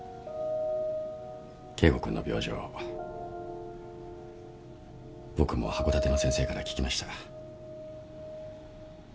圭吾君の病状僕も函館の先生から聞きました。